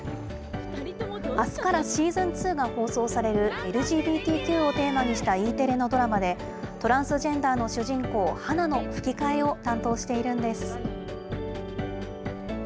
あすからシーズン２が放送される、ＬＧＢＴＱをテーマにしたＥテレのドラマで、トランスジェンダーの主人公、ハナの吹き替えを担当しているんです。